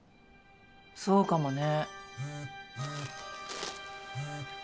そうかもね。